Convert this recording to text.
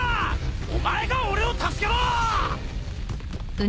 お前が俺を助けろ！